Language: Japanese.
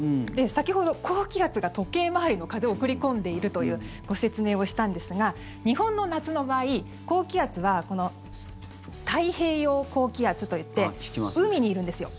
先ほど高気圧が時計回りの風を送り込んでいるというご説明をしたんですが日本の夏の場合高気圧は太平洋高気圧といって海にいるんですよ。